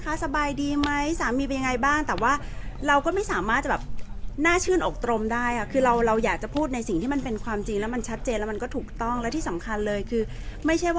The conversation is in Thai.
ก็ก็ขอโทษค่ะว่าคือมันก็เป็นสิ่งที่ไม่คาดคิดว่ามันจะเกิดขึ้นค่ะอย่างเรื่องลูกค่ะตอนนี้คือน้องต้องอยู่กับพี่ออนหรือยังน้องก็อยู่ในความดูแลของพี่ออนแต่ว่าเราก็ยังยังคงช่วยกันดูแลลูกในเรื่องของการอ่าศึกษาเล่าเรียนในการที่บางครั้งอาจจะแบบให้พ่อไปส่งเรียนพิเศษหรืออะไรเงี้ยค่ะ